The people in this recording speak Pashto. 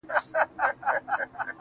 د اختر سهار ته مي_